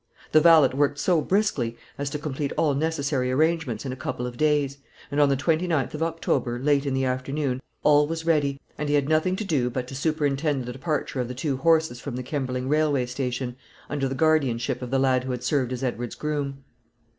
The valet worked so briskly as to complete all necessary arrangements in a couple of days; and on the 29th of October, late in the afternoon, all was ready, and he had nothing to do but to superintend the departure of the two horses from the Kemberling railway station, under the guardianship of the lad who had served as Edward's groom.